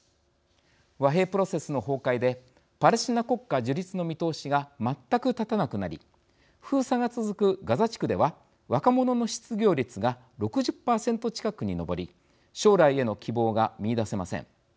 和平プロセスの崩壊でパレスチナ国家樹立の見通しが全く立たなくなり封鎖が続くガザ地区では若者の失業率が６０％近くに上り将来への希望が見いだせません。